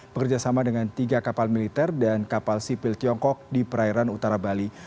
bekerjasama dengan tiga kapal militer dan kapal sipil tiongkok di perairan utara bali